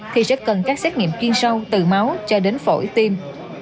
thì sẽ cần các xét nghiệm chuyên sâu từ máu cho đến phổi tim